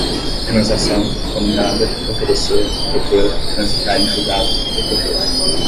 transação, cominada, oferecer, propor, transitar em julgado, recorrer